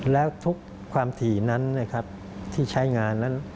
แล้วทุกความถี่นั้นนะครับที่ใช้งานนั้น